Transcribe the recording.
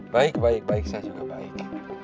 baik baik saya juga baik